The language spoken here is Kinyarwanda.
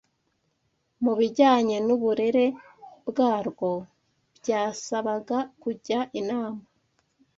mu bijyanye n’uburere bwarwo byasabaga kujya inama